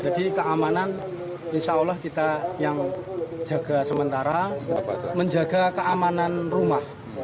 jadi keamanan insya allah kita yang jaga sementara menjaga keamanan rumah